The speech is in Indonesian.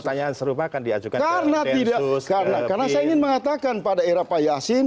pertanyaan serupa akan diajukan karena tidak karena saya ingin mengatakan pada era pak yasin